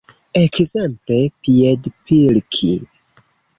Ekzemple piedpilki.